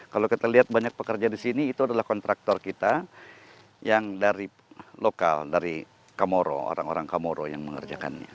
kalau kita lihat banyak pekerja di sini itu adalah kontraktor kita yang dari lokal dari komoro orang orang kamoro yang mengerjakannya